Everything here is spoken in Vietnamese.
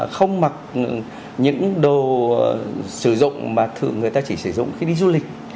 không mặc những đồ sử dụng mà thường người ta chỉ sử dụng khi đi du lịch